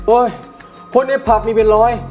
โอ้ยคนในผัพมีเป็นร้อย